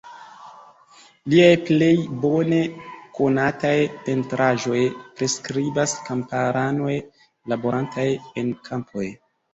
Liaj plej bone konataj pentraĵoj priskribas kamparanoj laborantaj en kampoj.